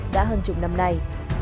đã hơn chục năm nay